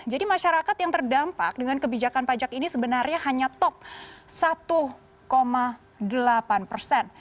jadi masyarakat yang terdampak dengan kebijakan pajak ini sebenarnya hanya top satu delapan persen